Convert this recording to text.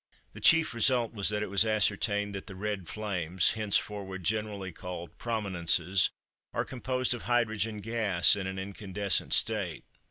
The chief result was that it was ascertained that the Red Flames (hence forward generally called "Prominences") are composed of hydrogen gas in an incandescent state.